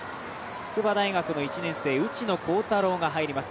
筑波大学の１年生内野航太郎が入ります。